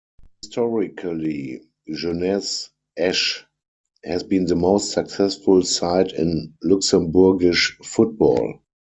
Historically, Jeunesse Esch has been the most successful side in Luxembourgish football.